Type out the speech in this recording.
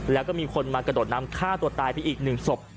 แล้วก็มีคนมากระโดดน้ำฆ่าตัวตายไปอีกหนึ่งศพ